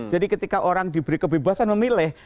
jadi ketika orang diberi kebebasan memilih